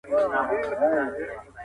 که لوست وي نو لیکل نه هیریږي.